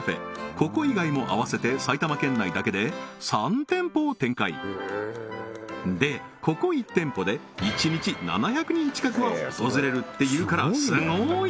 ここ以外も合わせて埼玉県内だけで３店舗を展開でここ１店舗で１日７００人近くが訪れるっていうからすごい！